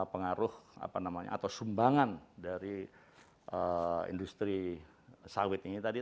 pengaruh atau sumbangan dari industri sawit ini tadi